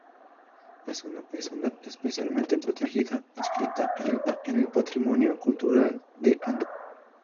Es una propiedad especialmente protegida inscrita en el Patrimonio Cultural de Andorra.